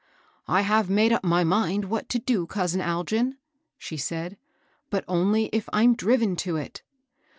*' I have made up my mind what to do, cous in Algin," she said, but only if I'm driven to it.